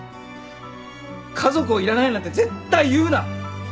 家族をいらないなんて絶対言うな。